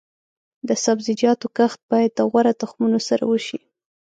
د سبزیجاتو کښت باید د غوره تخمونو سره وشي.